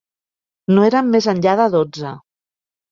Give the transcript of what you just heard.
No eren més enllà de dotze.